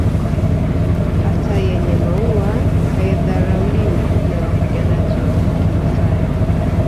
Hata yenye maua haidharauliwi na wapiganaji wa kimasai